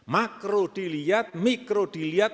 makro dilihat mikro dilihat